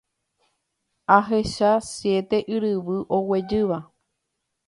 Ohecha siete yryvu oguejýva.